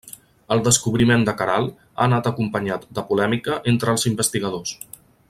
El descobriment de Caral ha anat acompanyat de polèmica entre els investigadors.